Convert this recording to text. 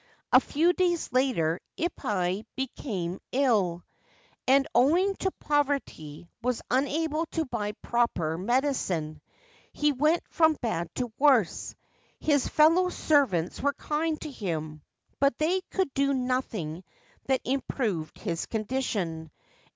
A few days later Ippai became ill, and, owing to poverty, was unable to buy proper medicine ; he went from bad to worse. His fellow servants were kind to him ; but they could do nothing that improved his condition.